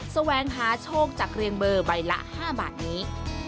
แสวงหาโชคจากเรียงเบอร์ใบละ๕บาทนี้